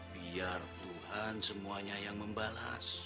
biar tuhan semuanya yang membalas